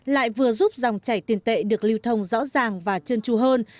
lại vừa giúp dòng chảy tiền tệ được lưu thông rõ ràng và trơn tru hơn